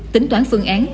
tính toán phương án